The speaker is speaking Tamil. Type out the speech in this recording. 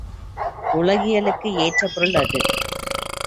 உலகியலுக்கு ஏற்ற பொருள் அது.